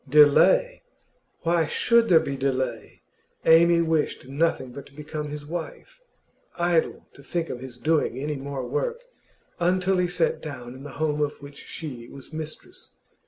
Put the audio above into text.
Delay? Why should there be delay? Amy wished nothing but to become his wife. Idle to think of his doing any more work until he sat down in the home of which she was mistress.